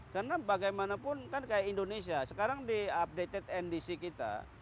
karena bagaimanapun kan kayak indonesia sekarang di updated ndc kita